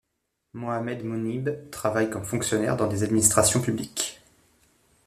Mohamed Mounib travaille comme fonctionnaire dans des administrations publiques.